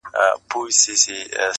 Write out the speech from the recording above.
د دې سړي د هر يو رگ څخه جانان وځي,